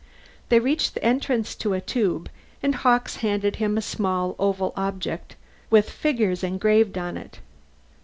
They reached the entrance to a tube and Hawkes handed him a small oval object with figures engraved on it.